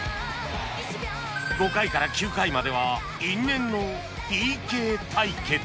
５回から９回までは因縁の ＰＫ 対決